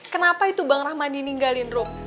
kenapa itu bang rahmadi ninggalin rob